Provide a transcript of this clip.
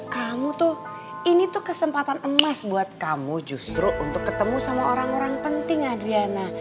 kamu tuh ini tuh kesempatan emas buat kamu justru untuk ketemu sama orang orang penting adriana